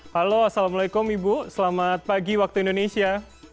halo assalamualaikum ibu selamat pagi waktu indonesia